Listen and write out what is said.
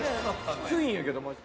きついんやけどマジ。